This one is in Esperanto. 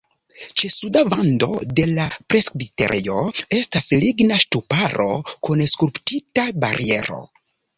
Ĉe suda vando de la presbiterejo estas ligna ŝtuparo kun skulptita bariero.